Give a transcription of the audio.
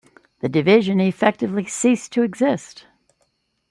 The Division effectively ceased to exist.